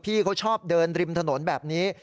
พี่เขาชอบเดินริมถนนแบบนี้